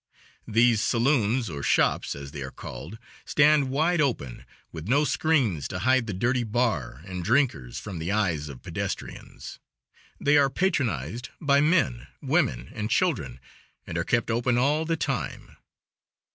These saloons, or shops, as they are called, stand wide open, with no screens to hide the dirty bar and drinkers from the eyes of pedestrians. They are patronized by men, women, and children, and are kept open all the time.